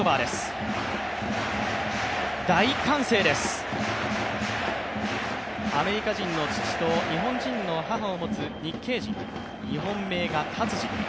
大歓声です、アメリカ人の父と日本人の母を持つ日系人、日本名がたつじ。